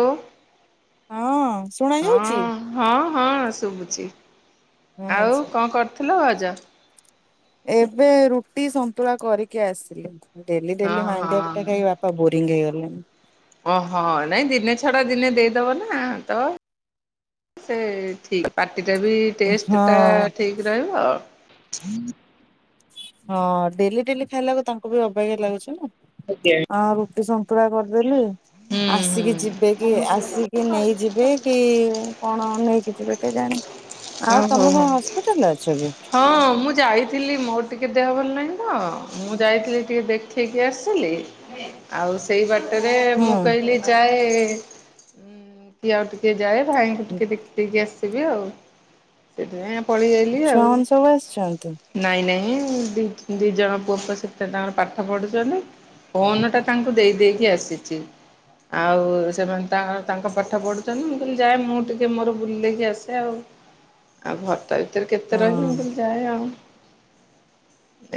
ଦ [unintelligible] ହଁ। ଶୁଣା ଯାଉଛି ହଁ, ହଁ, ହଁ ଶୁଭୁଛି ଆଉ ହଁ କଣ କରୁଥିଲ? ହାଲୋ [unintelligible] ଏବେ ରୁଟି ସନ୍ତୁଳା କରିକି ଆସିଲି। ଡେଲି ହଁ ଡେଲି ମାଡିଆ ପିଟା ହଁ କାଇ ବାପା ବୋରିଙ୍ଗଂ ହେଇଗଲାଣି। ଓହୋ, ନାଇଁ ଦିନେ ଛଡା ଦିନେ ଦେଇଦବ ନା, ତ ସେ ଠିକ ପା ପାଟି ଟା, ବି ଟେଷ୍ଟ ଟା, ହଁ। ଠିକ ରହିବ ଆଉ ହଁ ଡେଲି ଡେଲି ଖାଇଲାକୁ, ତାଙ୍କୁ ବି ଅବାଗିଆ ଲାଗୁଛି ନା, ହୁଁ ଆ ରୁଟି ନ୍ତୁଳା କରିଦେଲି। ହୁଁ ଆସିକି ଯିବେ କି, ଆସିକି ନେଇଯିବେ, କି କଣ ନେଇକି ଯିବେ, କେ ଆଉ ଓହୋ ତମେ ହୋ କଣ ହସ୍ପିଟାଲରେ ଅଛ କି? ହଁ ମୁଁ ଯାଇଥିଲି ମୋ ଟିକେ ଦେହ ଭଲ ନାହିଁ ତ, ମୁଁ ଯାଇଥିଲି ଟିକେ ଦେଖେଇକି ଆସିଲି ଆଉ ସେଇ ବାଟ ରେ ମୁଁ ହୁଁ କହିଲି ଯାଏ, କି ଆଉ ଟିକେ ଯାଏ ଭାଇଙ୍କୁ ଟିକେ ଦେଖିକି ଆସିବି ଆଉ ସେଥିପାଇଁ ପଳେଇ ଆଇଲି ଆଉ, ଛୁଆମାନେ ସବୁ ଆସିଛନ୍ତି। ନାଇଁ ନାଇଁ ଦି ଦି ଜଣ ପୁଅ ପ ସେତ ତାଙ୍କର ପାଠ ପଢୁଛନ୍ତି। ଫୋନ ଟା ତାଙ୍କୁ ଦେଇ ଦେଇକି ଆସିଛି। ଆଉ ସେମାନେ ତାଙ୍କ ତାଙ୍କ ପାଠ ପଢୁଛନ୍ତି, ମୁଁ କହିଲି ଯାଏ, ମୁଁ ଟିକେ ମୋର ବୁଲକି ଆସେ, ଆଉ ଆଉ ଘରଟା ଭିତରେ କେତେ ରହିବି, ମୁଁ ହଁ କହିଲି ଯାଏ ଆଉ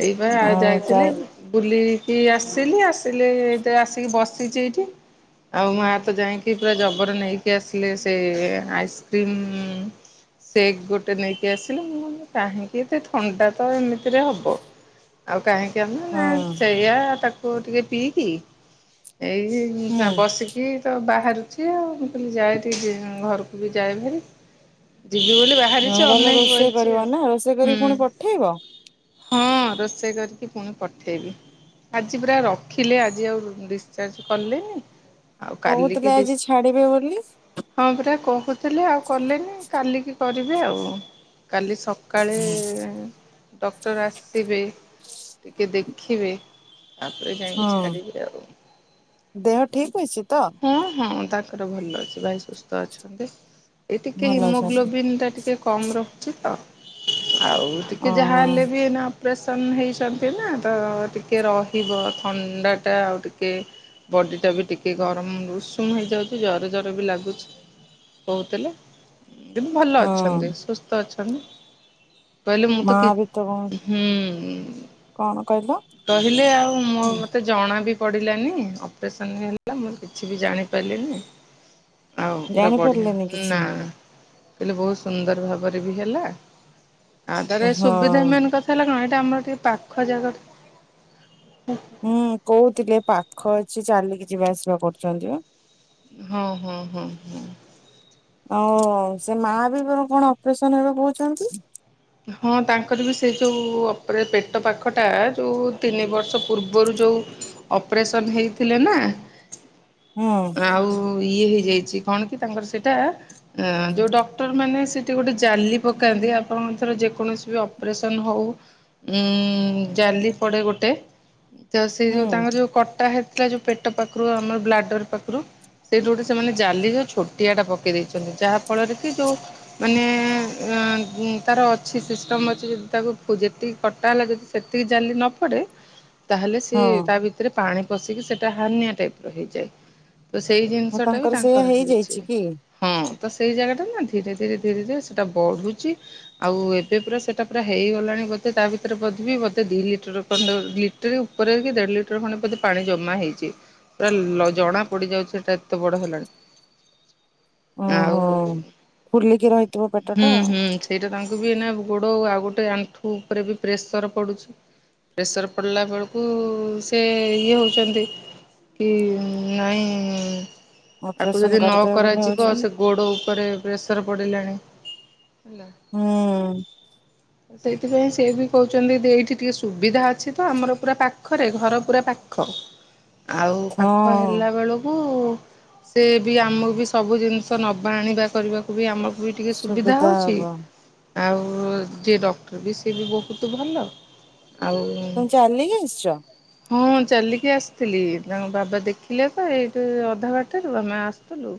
ଏଇବା ଆଉ ଯାଇଥିଲି, ବୁଲି କି ଆସିଲି, ଆସିଲି ଏ ଆସିକି ବସିଛି ଏଇଠି ଆଉ ମା ତ ଯାଇକି ପୁରା ଜବର ନେଇକି ଆସିଲେ, ସେ ଆଇସ୍କ୍ରିମ ସେକ୍ ଗୋଟେ ନେଇକି ଆସିଲେ, ମୁଁ କାହିଁକି ଥଣ୍ଡା ତ ଏମିତିରେ ହବ। ଆଉ [inaudible] କାହିଁକି ହଁ ଆମେ, ସେଆ ତାକୁ ଟିକେ ପିଇକି ଏଇ ହୁଁ। ବସିକି ତ ବା ବାହାରୁଛି ଆଉ, ମୁଁ କହିଲି ଯାଏ ଟିକେ, ଘରକୁ ବି ଯାଏ ଭାରି ଯିବି ବୋଲି ନ ବାହାରିଛି, ଗଲେ ଅନେଇକି ରୋଷେଇ ବଇଛି କରିବ ଆଉ ନା ରୋଷେଇ କରିକି ପୁଣି ପଠେଇବ। ହଁ ରୋଷେଇ କରିକି ପୁଣି ପଠେଇବି। ଆଜି ପୁରା ରଖିଲେ, ଆଜି ଆଉ ଡିସଚାର୍ଜ କଲେନି। ଆଉ କାଲି କହୁଥିଲେ କି ଦିଶ, ଆଜି ଛାଡିବେ ବୋଲି। ହଁ ପରା କହ କହୁଥିଲେ, ଆଉ କଲେନି, କାଲିକି କରିବେ ଆଉ କାଲି ସକାଳେ ଡକ୍ଟର ଆସିବେ, ଟିକେ ଦେଖିବେ ତାପରେ ଯାଇକି ହଁ। ଛାଡିବି ଆଉ କଛି ତ [unintelligible] ହଁ ହଁ ତାଙ୍କର ଭଲ ଅଛି ଭାଇ ସୁସ୍ଥ ଅଛନ୍ତି ଏଇ ଟିକେ ଭଲ ଅଛନ୍ତି। ହିମୋଗ୍ଲୋବନ୍ ଟା ଟିକେ ଟିକେ କମ୍ ରହୁଛି ତ ଆଉ ଅଁ ଟିକେ ଯାହା ହେଲେ ବି ଏନା ଅପ୍ରେରେସନ୍ ହେଇଛନ୍ତି ନା ତ ଟିକେ ରହିବ ଥଣ୍ଡାଟା ଆଉ ଟିକେ ବଡି ଟା ବି ଟିକେ ଗରମ ଉଷୁମ ହେଇଯାଉଛି ଜର ଜର ବି ଲାଗୁଛି କହୁଥିଲେ। ଭଲ ହଁ ଅଛନ୍ତି ସୁସ୍ଥ ଅଛନ୍ତି। କହିଲେ ମୁଁ ତ ମା କି ବି ତ ହୁଁ। ହୁଁ କଣ କହିଲ? କହିଲେ ଆଉ ମୁଁ ମତେ ଜଣା ବିି ପଡ଼ିଲାନି ଅପରେସନ୍ ହେଲା ମୁଁ କିଛି ବି ଜାଣିପାରିଲିନି। ଆଉ ପୁରା ବଢିଆ ଜାଣିପାରିଲେନି କିଛି? ନା କହିଲେ ବହୁତ ସୁନ୍ଦର ଭାବରେ ବି ହେଲା ଆଉ ତାର ହଁ ସୁବିଧା ମେନ୍ କଥା ହେଲା କଣ ଏ ସେ ଆମର ଟିକେ ପାଖ ଜାଗ ହୁଁ କୋହୁଥିଲେ ପାଖ ଅଛି ଚାଲିକି ଯିବା ଆସିବା କରୁଛନ୍ତି ବା। ହଁ ହଁ ହଁ ହଁ। ଆଉ ସେ ମା ବିର କଣ ଅପରେସନ ହେବେ କହୁଛନ୍ତି। ହଁ ତାଙ୍କର ବି ସେ ଯୋଉ ଅପରେ ପେଟ ପାଖଟା ଯୋଉ ତିନି ବର୍ଷ ପୂର୍ବରୁ ଯେଉଁ ଅପରେସନ୍ ହେଇଥିଲେ ନା। ହୁଁ ଆଉ ଇଏ ହେଇଯାଇଛି କଣ କି? ତାଙ୍କର ସେଇଟା ଯୋଉ ଡକ୍ଟର ମାନେ ସେଠି ଗୋଟେ ଜାଲି ପକାନ୍ତି ଆପଣ ର ଯେକୌଣସି ବି ଅପରେସନ ହଉ ଉ ଜାଲି ପଡେ ଗୋଟେ। ତ ସେଇ ଯୋଉ ହୁଁ ତାଙ୍କର ଯୋଉ କଟା ହେଇଥିଲା ଯୋଉ ପେଟ ପାଖରୁ ଆମର ବ୍ଲାଡର ପାଖରୁ ସେଇଠୁ ଗୋଟେ ସେମାନେ ଜାଲି ଯୋଉ ଛୋଟିଆ ଟା ପକେଇ ଦେଇଛନ୍ତି ଯାହା ଫଳରେ କି ଯୋଉ ମାନେ ହଁ ହୁଁ। ତାର ଅଛି ସିଷ୍ଟମ ଅଛି ଯଦି ତାକୁ ଯେତିକି କଟା ହେଲା ଯଦି ସେତିକି ଜାଲି ନ ପଡ଼େ ତାହେଲେ ସେ ହଁ ତା ଭିତରେ ପାଣି ପଶିକି ସେଟା ହାନିଆ ଟାଇପ ର ହେଇଯାଏ। ତ ସେଇ ଆଉ ଜିନିଷ ଟା ବି ସେଇଆ ତାଙ୍କର ହେଇଛି ହେଇଯାଇଛି କି? ହଁ ତ ସେଇ ଜାଗା ଟାନା ଧୀରେ ଧୀରେ ଧୀରେ ଧୀରେ ସେଟା ବଢୁଛି। ଆଉ ଏବେ ପୁରା ସେଇଟା ପୁରା ହେଇଗଲାଣି ବୋଧେ ତା ଭିତରେ ବଧିବି ବୋଧେ ଦିଇ ଲିଟର ଲିଟରେ ଉପ କି ଦେଢ ଲିଟର ଖଣ୍ଡେ ବୋଧେ ପାଣି ଜମା ହେଇଛି। ପୁରା ଲ ଜଣା ପଡିଯାଉଛି ସେଟା ଏତେ ବଡ ହେଲାଣି। ଆଉ ଓହୋ। ଫୁଲିକି ରହିଥିବ ପେଟ ହୁଁ ଟା ହୁଁ ସେଇଟା ତାଙ୍କ କାହିକିନା ଗୋଡ଼ ଆଉ ଗୋଟେ ଆଣ୍ଠୁ ଉପରେ ବି ପ୍ରେସର ପଡ଼ୁଛି। ପ୍ରେସର ପଡିଲା ବେଳକୁ ସେ ଇଏ ହଉଛନ୍ତି କି ନାଇଁ ଆକୁ ଅପରେସନ ଯଦି ନ କରିଦେବେ ବୋଲି କରାଇଛିିବ ଭାବୁଛନ୍ତି। ସେ ଗୋଡ଼ ଉପରେ ପ୍ରେସର ପଡ଼ିଲାଣି। ହେଲା। ହୁଁ। ସେଇଥିପାଇଁ ସେ ବି କହୁଛନ୍ତି ଏଇଠି ଟିକେ ସୁବିଧା ଅଛି ତ ଆମର ପୁରା ପାଖରେ ଘର ପୁରା ପାଖ। ଆଉ ପାଖ ହଁ। ହେଲା ବେଳକୁ ସେ ବି ଆମକୁ ବି ସବୁ ଜିନିଷ ନବା ଆଣିବା କରିବାକୁ ବି ଆମ ବି ଟିକେ ସୁବିଧା ହେଉଛି। ଆଉ ଯିଏ ଡକ୍ଟର ବି ସିଏ ବି ବହୁତ ଭଲ। ଆଉ ତୁମେ ଚାଲିକି ଆସିଛ? ହଁ ଚାଲିକି ଆସିଥିଲି ତାଙ୍କ ବାବା ଦେଖିଲେ ତ ଏଇଠୁ ଅଧା ବାଟରୁ ଆମେ ଆସିଥିଲୁ।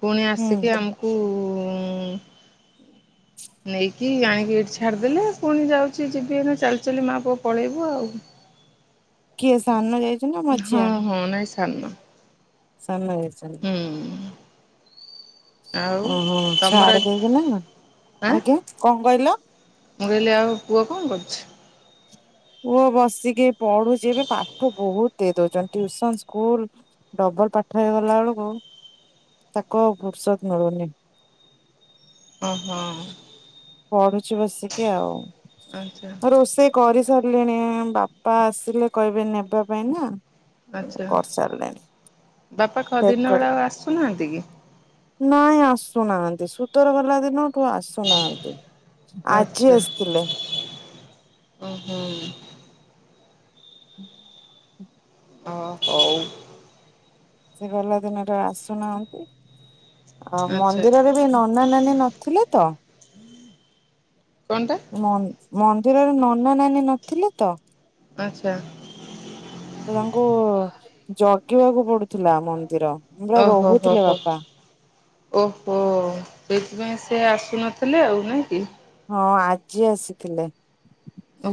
ପୁଣି ହୁଁ ଆସିକି ଆମକୁ ଉ ନେଇକି ଆଣିକି ଏଇଠି ଛାଡିଦେଲେ ପୁଣି ଯାଉଛି ଯିବି ହେନ ଚାଲି ଚାଲି ମା ପୁଅ ପଳେଇବୁ ଆଉ। କି ସାନ ଯାଇ ହଁ ହଁ ନାଇଁ ସାନ। ସାନ ଯାଇଛନ୍ତି। ହୁଁ ଆଉ ଓ ହଁ ତମର ଛାଡେ ଦେଇକି ନାହିଁନା? ଆଁ ଆଜ୍ଞା କଣ କହିଲ? ମୁଁ କହିଲି ଆଉ ପୁଅ କଣ କରୁଛୁ? ପୁଅ ବସିକି ପଢୁଚି ଏବେ। ପାଠ ବହୁତ ଦେଇ ଦଉଚନ୍ତି ଟିଉସନ, ସ୍କୁଲ୍ ଡ ବଲ ପାଠ ହେଇଗଲା ବେଳକୁ ତାକୁ ଆଉ ଫୁର୍ସତ ମିଳୁନି। ଓ ହଁ। ପଢୁଛି ବସିକି ଆଉ। ଆଚ୍ଛା ରୋଷେଇ କରି ସାରି ଲିଣି ବାପା ଆସିଲେ କହିବେ ନେବା ପାଇଁ ନା। ଆଚ୍ଛା କରିସାରିଲେଣି ବାପା ପ୍ୟାକ୍ ଖ-ଦିନ କରି ବେଳେ ଆଉ ଆସୁନାହାନ୍ତି କି? ନାଇଁ ଆସୁନାହାନ୍ତି। ସୁତର ଗଲା ଦିନ ତ ଆସୁନାହାନ୍ତି। ଆଜି ଆସିଥିଲେ। ଓ ହୋ। ହୁଁ ଓ ହଉ। ସେ ଗଲା ଦିନ ଠୁ ଆସୁନାହାନ୍ତି। ଆ ଆଚ୍ଛା ମନ୍ଦିରରେ ବି ନନା ନାନୀ ନଥିଲେ ତ। କଣଟା ଏ ମନ୍ ମନ୍ଦିରରେ ନନା ନାନୀ ନଥିଲେ ତ। ଆଚ୍ଛା। ତ ତାଙ୍କୁ ଜଗିବାକୁ ପଡୁଥିଲା ମନ୍ଦିର। ପୁରା ଓହୋ ହୋ ରହୁଥିଲେ ହୋ ବାପା। ଓହୋ! ସେଇଥିପାଇଁ ସେ ଆସୁନଥିଲେ ଆଉ ନାହିଁକି? ହଁ ଆଜି ଆସିଥିଲେ।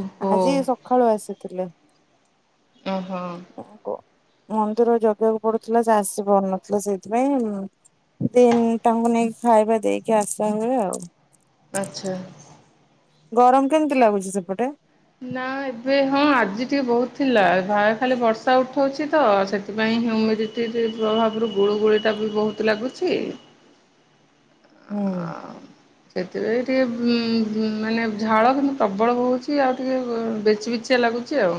ଓହୋ ଆଜି ସକାଳୁ ଆସିଥିଲେ। ଓ ହଁ। ମନ୍ଦିର ଜଗିବାକୁ ପଡୁଥିଲା ସେ ଆସି ପାରୁନଥିଲେ। ସେଇଥିପାଇଁ ଉଁ, ଦିନ ତାଙ୍କୁ ନେଇକି ଖାଇବା ଦେଇକି ଆସିବା ହୁଏ ଆଉ। ଆଚ୍ଛା। ଗରମ କେମିତି ଲାଗୁଚି ସେପଟେ? ନା ଏବେ ହଁ ଆଜି ଟିକେ ବହୁତ ଥିଲା। ଏ ଭାରେ ଖାଲି ବର୍ଷା ଉଠଉଛି ତ ସେଥିପାଇଁ ହ୍ୟମିଡିଟି ରେ ପ୍ରଭାବରୁ ଗୁଳୁ ଗୁଳି ଟା ବି ବହୁତ ଲାଗୁଛି। ହଁ। ଆଉ ସେଥିପାଇଁ ଟିକେ ଉଁ, ଗୁଁ, ମାନେ ଝାଳ କିନ୍ତୁ ପ୍ରବଳ ବହୁଚି। ଆଉ ଟିକେ ଅ, ବେଚି ବେ ଚିଆ ଲାଗୁଚି ଆଉ।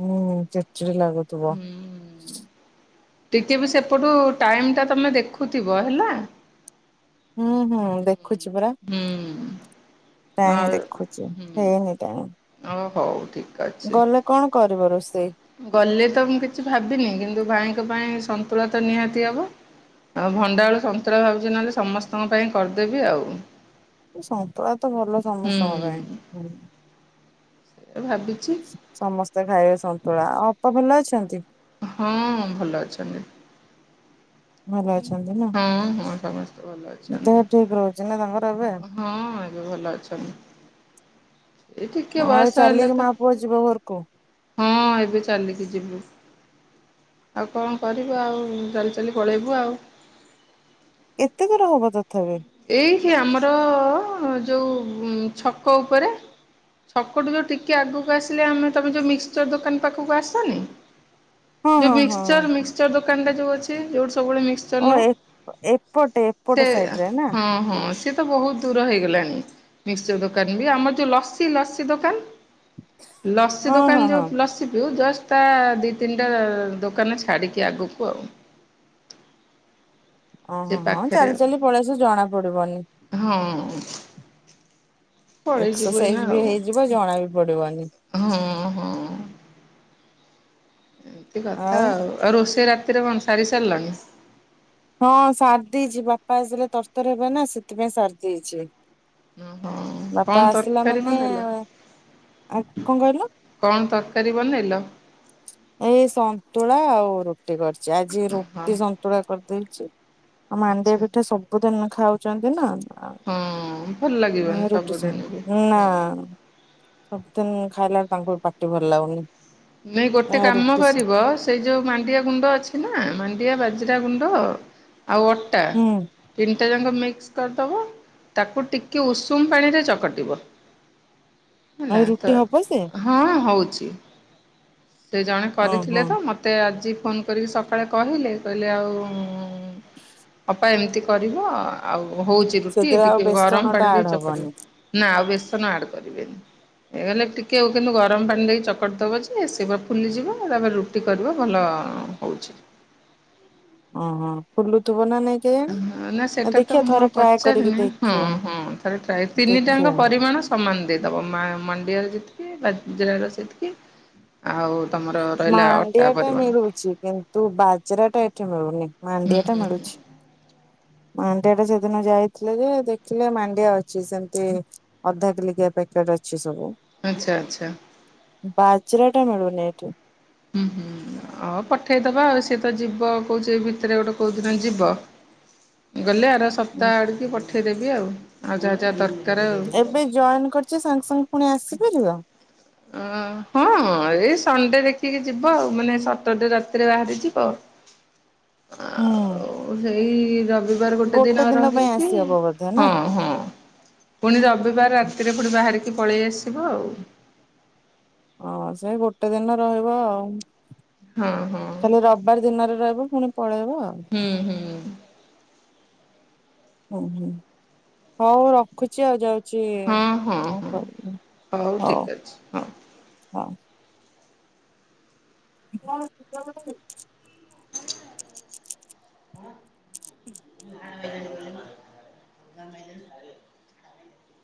ହୁଁ, ଚଡ ଚିଡ ଲାଗୁଥୁବ। ହୁଁ ଟିକେ ବି ସେପଟୁ ଟାଇମ୍ ଟା ତମେ ଦେଖୁଥିବ ହେଲା। ହଁ, ହଁ ଦେଖ ହୁଁ। ଆ ଟାଇମ ଦେଖୁଛି ହୁଁ, ହେଇନି ଟାଇମ ଓ ହଉ ଠିକ ଗଲେ କଣ କରିବ ରୋଷ ଗଲେ ତ ମୁଁ କିଛି ଭାବିନି। କିନ୍ତୁ ଭାଇଙ୍କ ପାଇଁ ସନ୍ତୁଳା ତ ନିହାତି ହବ। ଆଉ ଭଣ୍ଡା ଆଳୁ ସନ୍ତୁଳା ଭାବୁଚି ନହେଲେ ସମସ୍ତଙ୍କ ପାଇଁ କରିଦେବି ଆଉ। ସନ୍ତୁଳା ତ ଭଲ ସମସ୍ତଙ୍କ ପାଇଁ। ହୁଁ, ଏ ଭାବିଛି ସମସ୍ତେ ଖାଇବେ ସନ୍ତୁଳା। ଆଉ ଅପା ଭଲ ଅଛନ୍ତି? ହଁ ଭଲ ଅଛନ୍ତି। ଭଲ ଅଛନ୍ତି ନା ହଁ, ହଁ ସମସ୍ତେ ଭଲ ଦେହ ଅଛନ୍ତି। ଠିକ ରହୁଛି ନା ତାଙ୍କର ଏବେ? ହଁ ଏବେ ଭଲ ଅଛନ୍ତି। ଏ ଟିକେ ଆଉ ବୟସ ହେଲେ ଚାଲିକି ତ, ମା ପୁଅ ଯିବ ଘରକୁ ହଁ ଏବେ ଚାଲିକି ଯିବୁ। ଆଉ କଣ କରିବୁ ଆଉ ଚାଲି ଚାଲି ପଳେଇବୁ ଆଉ। ଏତେ ଦୂର ହବ ତଥାପି? ଏଇଠି ଆମର ଯୋଉ ଉଁ, ଛକ ଉପରେ। ଛକ ଠୁ ଯୋଉ ଟିକେ ଆଗକୁ ଆସିଲେ, ଆମେ ତମେ ଯୋଉ ମିକ୍ସଚର ଦୋକାନ ପାଖକୁ ଆସନି। ହଁ ଯୋଉ ହଁ ହଁ ହଁ ମିକ୍ସଚର ମିକ୍ସଚର ଦୋକାନ ଟା ଯୋଉ ଅଛି ଯୋଉ ସବୁବେଳେ ମିକ୍ସଚର୍ ଓ ନେଉ। ଏ ଏପଟେ ଏପଟ ସେ ସାଇଡ ରେ ନା ହଁ ହଁ ସିଏ ତ ବହୁତ ଦୂର ହେଇଗଲାଣି ମିକ୍ସଚର ଦୋକାନ ବି ଆମର ଯୋଉ ଲସି ଲସି ଦୋକାନଳ ଲସି ହଁ ଦୋକାନ ହଁ ହଁ। ଯୋଉ ଲସି ପିଉ ଜ ତା-ଆ-ଆ-ଆ ଦି ତିନିଟା ଦୋକାନ ଛାଡିକି ଆଗକୁ ଆଉ। ସେ ଓହୋ ହଁ ପାଖରେ ଚାଲି ଚାଲି ପଳେଇ ଆସିବୁ ଜଣା ପଡିବନି। ହଁ। ପଳେଇ ଯିବୁ ଏକ୍ସରସାଇଜ ଏଇନା ବି ଆଉ, ହେଇଯିବ ଜଣା ବି ପଡିବନି ହଁ ହଁ। ଏମିତି କଥା ଆଉ, ଆଉ ରୋଷେଇ ରାତିରେ କଣ ସାରି ସାରିଲାଣି? ହଁ ସାରି ଦେଇଛି ବାପା ଆସିଲେ ତରତର ହେବେ ନା ସେଥିପାଇଁ ସାରିଦେଇଛି। ଓହୋ କଣ ତରକାରୀ ମାନେ ବନେଲ? ଆଉ କଣ କହିଲ କଣ ତରକାରୀ ବନେଇଲ? ଏଇ ସନ୍ତୁଳା ଆଉ ରୁଟି କରିଛି। ଆଜି ଓହୋ ରୁଟି ସନ୍ତୁଳା କରିଦେଇଛି। ଆଉ ମାଣ୍ଡିଆ ଆଚ୍ଛା। ପିଠା ସବୁ ଦିନ ଖାଉଛନ୍ତି ନା। ଆ ହଁ ଭଲ ଲାଗିବନି ନାଇ ରୁଟି ସ ସବୁଦିନ ବି ହଁ ନା-ଆ-ଆ। ସବୁଦିନ ଖାଇଲା ତାଙ୍କୁ ପାଟି ଭଲ ଲାଗୁନି। ନାଇଁ ଗୋଟେ କାମ ରୁଟି କରିବ ସେଇ ଯୋଉ ମାଣ୍ଡିଆ ଗୁଣ୍ଡ ଅଛି ନା ମା ମାଣ୍ଡିଆ ବାଜରା ଗୁଣ୍ଡ ଆଉ ଅଟା ହୁଁ ତିନିଟା ଯାକ ତାକୁ ମିକ୍ସ କରିଦେବ ତାକୁ ଟିକେ ଉଷୁମ ପାଣିରେ ଚକଟିବ। ଆଉ ହେଲା ରୁଟି ତ ହବ ସେ ହଁ ହଉଛି। ସେ ଜଣେ ହଁ କରିଥିଲେ ହଁ ତ ମତେ ଆଜି ଫୋନ କରିକି ସକାଳେ କହିଲେ କହିଲେ ଆଉ-ଉ-ଉ-ଉ ଅପା ଏମିତି କରିବ ଆ-ଆ ଆଉ ହଉଛି ରୁଟି ସେଥିରେ ଆଉ ଟିକେ ଗରମ ବେସନ ଟା ପାଣି ଦେଇ ଆଡ ଚକିଟିବ ହବନି ନା ଆଉ ବେଶୀ ବେସନ ଆଡ୍ କରିବେନି ଏ ମାନେ ଟିକେ କିନ୍ତୁ ଗରମ ପାଣି ଦେଇକି ଚକଟିଦେବ ଯେ ସେ ତେଵ ଫୁଲିଯିବ ତାପରେ ରୁଟି କରିବ ଭଲ-ଅ-ଅ-ଅ ହେଉଛି। ଓହୋ ଫୁଲୁ ଥିବ ନା ନାଇଁ କେଜାଣି? ନା ସେଇଟା ତ ଦେଖିବା ମୁଁ ଥରେ ଆଉ ଟ୍ରାଏ କରିକି ପଚାରିନି। ହଁ ଦେଖିବା ହଁ ଥରେ ଟ୍ରାଏ ତିନି ଟାଙ୍କ ଦେଖିବା। ପରିମାଣ ସ ସମାନ ଦେଇଦବ ମା ମଣ୍ଡିଆରେ ଯେତିକି ବାଜରାର ସେତିକି ଆଉ ତମର ରହିଲା ଅଟା ମାଣ୍ଡିଆ ଟା ପରିମାଣ। ମିଳୁଛି କିନ୍ତୁ ବାଜରାଟା ଏଠି ମିଳୁନି। ମାଣ୍ଡିଆ ଟା ମିଳୁଛି। ମାଣ୍ଡିଆ ଟା ସେଦିନ ଯାଇଥିଲେ ଯେ ଦେଖିଲେ ମାଣ୍ଡିଆ ଅଛି ସେମତି ଅଧା କିଲିକିଆ ପାଖ କେଟ୍ ଅଛି ସବୁ। ଆଚ୍ଛା ଆଚ୍ଛା। ବାଜରାଟା ମିଳୁନ ଏଠି। ହୁଁ ହୁଁ। ହଉ ପଠେଇଦବା ଆଉ ସିଏ ତ ଯିବ କୋଉଛି ଭିତରେ ଗୋଟେ କୋଉ ଦିନ ଯିବ ଗଲେ ଆର ସପ୍ତାହ ଆଡ଼ିକି ପଠେଇଦେବି ଆଉ ଆଉ ଯାହା ଯାହା ଦରକ ଏବେ ଜଏନ କରିଛି ସାଙ୍ଗେ ସାଙ୍ଗେ ପୁଣି ଆସିପାରିବ। ଓ ହଁ ଏଇ ସଣ୍ଡେ ଦେଖିକି ଯିବ ଆଉ ମାନେ ସଟରଡେ ରାତିରେ ବାହାରିଯିବ। ହୁଁ। ଓ-ଓ-ଓ ସେଇ ରବିବାର ଗୋଟେ ଦିନ ପାଇଁ ରହିକି ଆସିହବ ବୋଧେ ନା? ହଁ ହଁ। ପୁଣି ରବିବାର ରାତିରେ ପୁଣି ବାହାରିକି ପଳେଇ ଆସିବ ଆଉ। ହଁ ସେ ଗୋଟେ ଦିନ ରହିବ ଆଉ ହଁ ହଁ ଖାଲି ରବିବାର ଦିନରେ ରହିବ। ପୁଣି ପଳେଇବ। ହୁଁ ହୁଁ ଓ ହୁଁ ହଉ ରଖୁଛି ଆଉ ଯାଉ ଛି ହଁ ହଁ କଣ ହଁ କରିବି ହଉ ଠିକ୍ ଅଛି ହଉ ହଉ। [inaudible] ହ [inaudible]